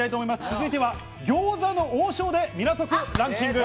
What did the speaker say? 続いては餃子の王将で港区ランキング。